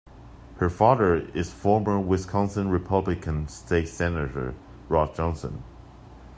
Her father is former Wisconsin Republican state senator Rod Johnston.